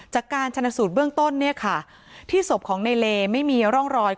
จากการชนสูตรเบื้องต้นเนี่ยค่ะที่ศพของในเลไม่มีร่องรอย